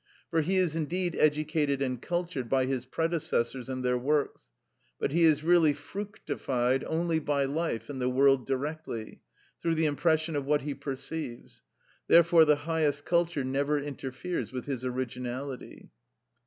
For he is indeed educated and cultured by his predecessors and their works; but he is really fructified only by life and the world directly, through the impression of what he perceives; therefore the highest culture never interferes with his originality.